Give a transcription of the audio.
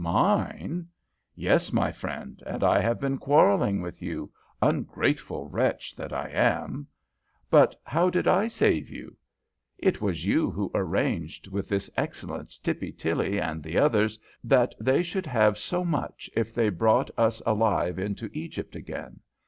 "Mine?" "Yes, my friend, and I have been quarrelling with you, ungrateful wretch that I am!" "But how did I save you?" "It was you who arranged with this excellent Tippy Tilly and the others that they should have so much if they brought us alive into Egypt again.